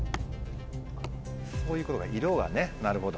そういうことか色がねなるほど。